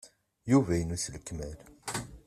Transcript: Yuba inu s lekmal.